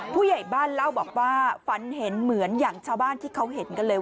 ผู้ใหญ่บ้านเล่าบอกว่าฝันเห็นเหมือนอย่างชาวบ้านที่เขาเห็นกันเลย